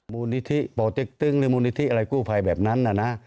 มูลนิธิป่อเต็กตึงหรือมูลนิธิอะไรกู้ภัยแบบนั้นนะ